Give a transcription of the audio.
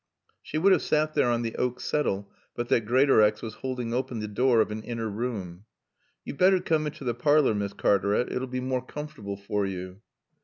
She would have sat there on the oak settle but that Greatorex was holding open the door of an inner room. "Yo'd better coom into t' parlor, Miss Cartaret. It'll be more coomfortable for you."